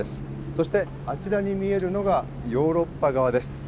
そしてあちらに見えるのがヨーロッパ側です。